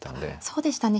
そうでしたね。